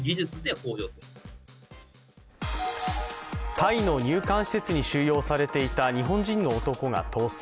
タイの入管施設に収容されていた日本人の男が逃走。